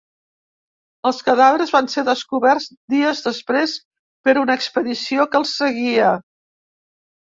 Els cadàvers van ser descoberts dies després per una expedició que els seguia.